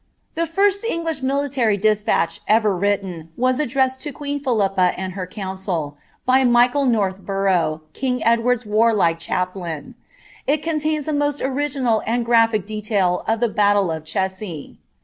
The first English military despatch ever written was addms«<l lo queen Philippa and her council, by Michael Nonhborougli, king Ed ward's warlike chaplain : it contains a most original and gnphio detail of the battle of Cressy.